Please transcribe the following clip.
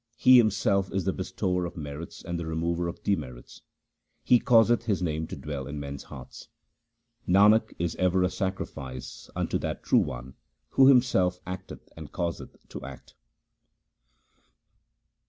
He Himself is the Bestower of merits and the remover of demerits ; He causeth His name to dwell in men's hearts. Nanak is ever a sacrifice unto that True One who Himself acteth and causeth to act.